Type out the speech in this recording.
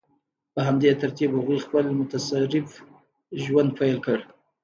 په همدې ترتیب هغوی خپل متصرف ژوند پیل کړ.